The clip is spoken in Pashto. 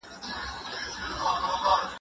له خپل قاتل څخه شکوې یې په ټپو کولې